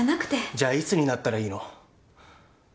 じゃあいつになったらいいの？